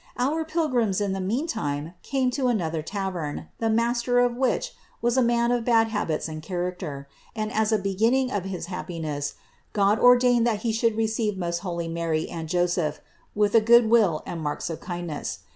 Our pilgrims in the meanwhile came to another tavern, the master of which was a man of bad habits and character; and as a beginning of his happiness, God ordained that he should receive most holy Mary and Joseph with a good will and marks of kindness.